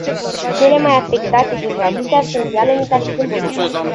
Cele mai afectate dintre acestea sunt Ialomița și Dâmbovița.